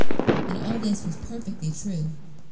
And all this was perfectly true.